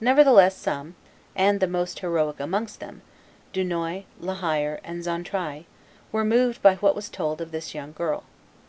Nevertheless some, and the most heroic amongst them, Dunois, La Hire, and Xaintrailles, were moved by what was told of this young girl.